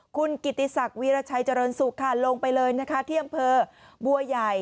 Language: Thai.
คุณกิติศักดิ์วีรชัยเจริญสุขค่ะลงไปเลยนะคะที่อำเภอบัวใหญ่